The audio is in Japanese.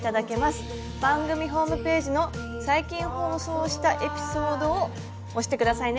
番組ホームページの「最近放送したエピソード」を押して下さいね。